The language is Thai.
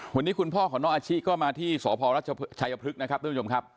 วันนี้คุณพ่อของน้องอาชิก็มาที่สพรัชชัยพฤกษ์นะครับทุกผู้ชมครับ